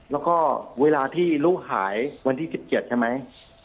แล้วก็เวลาที่ลูกหายวันที่๑๗ใช่ไหม